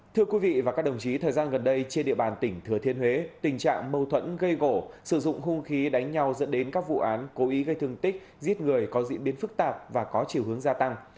thưa quý vị và các đồng chí thời gian gần đây trên địa bàn tỉnh thừa thiên huế tình trạng mâu thuẫn gây gỗ sử dụng hung khí đánh nhau dẫn đến các vụ án cố ý gây thương tích giết người có diễn biến phức tạp và có chiều hướng gia tăng